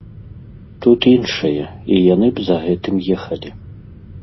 Тут іншае, і яны б за гэтым ехалі.